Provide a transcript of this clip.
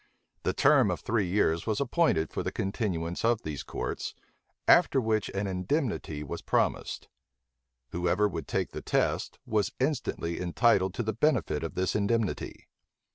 The term of three years was appointed for the continuance of these courts; after which an indemnity was promised. Whoever would take the test, was instantly entitled to the benefit of this indemnity.